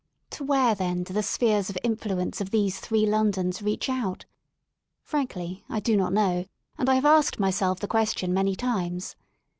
To where then do the spheres of influence of these three Londons reach out? Frankly, I do not know, and I have asked myself the question many times.